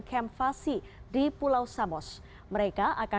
kita ke informasi mancanegara